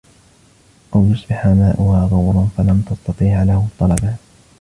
أَوْ يُصْبِحَ مَاؤُهَا غَوْرًا فَلَنْ تَسْتَطِيعَ لَهُ طَلَبًا